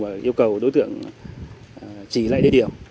và yêu cầu đối tượng chỉ lại địa điểm